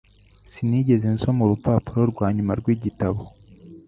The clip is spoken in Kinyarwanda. Sinigeze nsoma urupapuro rwanyuma rw'igitabo.